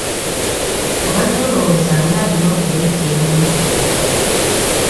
Obadde olowooza ani alina okuleeta ebintu byo?